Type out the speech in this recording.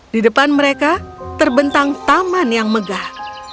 di depan mereka terbentang taman yang megah